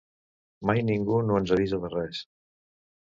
Mai ningú no ens avisa de res.